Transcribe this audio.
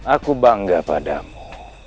aku bangga padamu